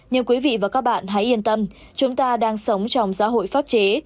nhưng quý vị và các bạn hãy yên tâm chúng ta đang sống trong xã hội pháp chế